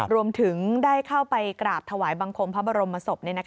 รวมถึงได้เข้าไปกราบถวายบังคมพระบรมศพ